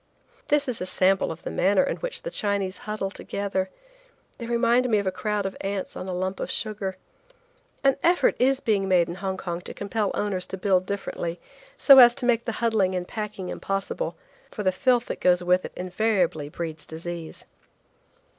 This is a sample of the manner in which the Chinese huddle together. They remind me of a crowd of ants on a lump of sugar. An effort is being made in Hong Kong to compel owners to build differently, so as to make the huddling and packing impossible, for the filth that goes with it invariably breeds disease.